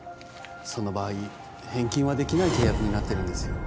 その場合返金はできない契約になってるんですよ